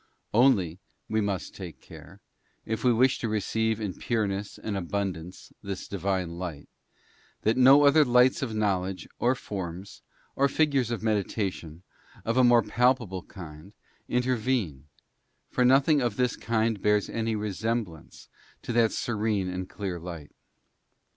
Only, we must take care, if we wish _ to receive in pureness and abundance this Divine light, that _ no other lights of knowledge, or forms, or figures of medita _ tions, of a more palpable kind, intervene, for nothing of this __ kind bears any resemblance to that serene and clear light.